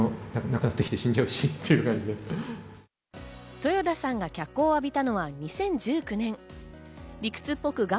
とよ田さんが脚光を浴びたのは２０１９年。